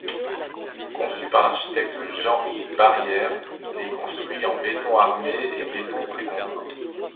Conçu par l'architecte Jean-Yves Barrier, il est construit en béton armé et béton précontraint.